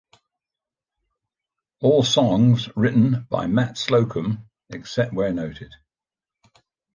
All songs written by Matt Slocum, except where noted.